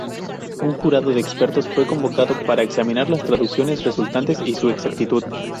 Un jurado de expertos fue convocado para examinar las traducciones resultantes y su exactitud.